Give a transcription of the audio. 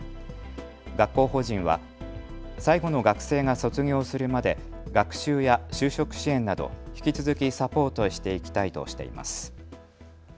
学校法人は最後の学生が卒業するまで学習や就職支援など引き続きサポートしていきたいとしています。